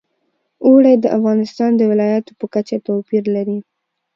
اوړي د افغانستان د ولایاتو په کچه توپیر لري.